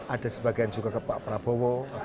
ada sebagian juga ke pak prabowo